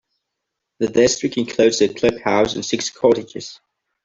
The district includes the Club House and six cottages.